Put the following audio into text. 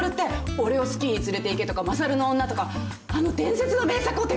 『俺をスキーに連れていけ』とか『マサルの女』とかあの伝説の名作を手掛けた？